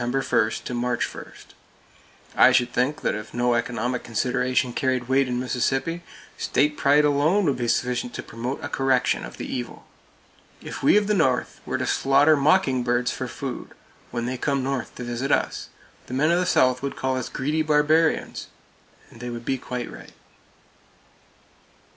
1 to March 1! I should think that if no economic consideration carried weight in Mississippi, state pride alone would be sufficient to promote a correction of the evil. If we of the North were to slaughter mockingbirds for food, when they come North to visit us, the men of the South would call us greedy barbarians; and they would be quite right.